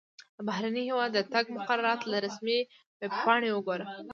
د بهرني هیواد د تګ مقررات له رسمي ویبپاڼې وګوره.